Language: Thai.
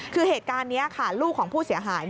คือเหตุการณ์นี้ค่ะลูกของผู้เสียหาย